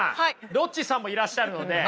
ロッチさんもいらっしゃるので。